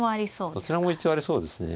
どちらも一応ありそうですね。